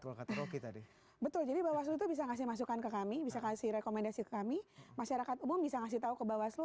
kalau kata rocky tadi betul jadi bawaslu itu bisa ngasih masukan ke kami bisa kasih rekomendasi ke kami masyarakat umum bisa ngasih tahu ke bawaslu